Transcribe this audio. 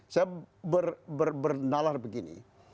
saya bernalar begini